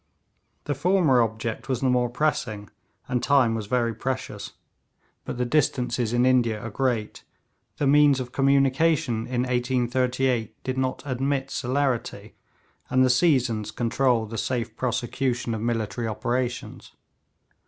The former object was the more pressing, and time was very precious; but the distances in India are great, the means of communication in 1838 did not admit of celerity, and the seasons control the safe prosecution of military operations.